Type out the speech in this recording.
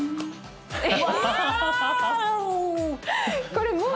これもう。